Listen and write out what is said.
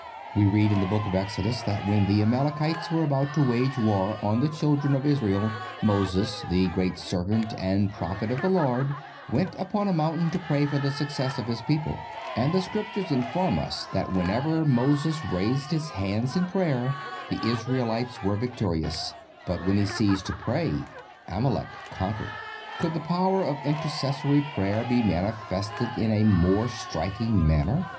(198) We read in the Book of Exodus that when the Amalekites were about to wage war on the children of Israel Moses, the great servant and Prophet of the Lord, went upon a mountain to pray for the success of his people; and the Scriptures inform us that whenever Moses raised his hands in prayer the Israelites were victorious, but when he ceased to pray Amalek conquered. Could the power of intercessory prayer be manifested in a more striking manner?